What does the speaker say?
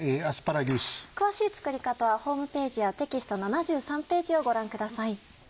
詳しい作り方はホームページやテキスト７３ページをご覧ください。